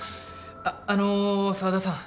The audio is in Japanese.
あっあの澤田さん